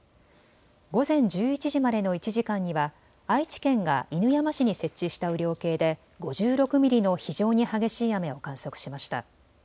午前１１時までの１時間には愛知県が犬山市に設置した雨量計で５６ミリの非常に激しい雨を観測しました。